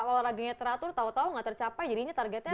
olahraganya teratur tau tau gak tercapai jadinya targetnya